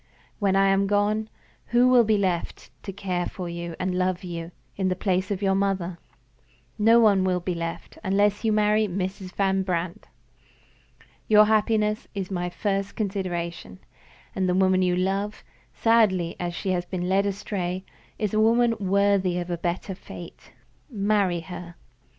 When I am gone, who will be left to care for you and love you, in the place of your mother? No one will be left, unless you marry Mrs. Van Brandt. Your happiness is my first consideration, and the woman you love (sadly as she has been led astray) is a woman worthy of a better fate. Marry her."